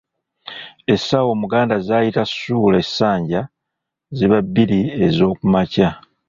Essaawa Omuganda z’ayita suula essanja ziba bbiri ez'okumakya.